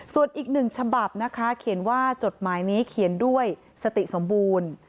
ส่วนอีกหนึ่งฉบับนะคะเขียนว่าจดหมายนี้เขียนด้วยสติสมบูรณ์